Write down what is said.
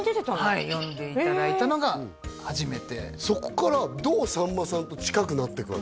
はい呼んでいただいたのが初めてそっからどうさんまさんと近くなっていくわけ？